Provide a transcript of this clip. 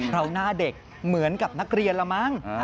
หน้าเด็กเหมือนกับนักเรียนละมั้ง